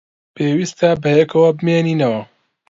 پێویستە بەیەکەوە بمێنینەوە.